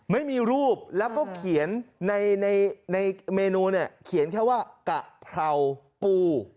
ไม่มีรูปแล้วก็เขียนในเมนูเนี่ยเขียนแค่ว่ากะเพราปู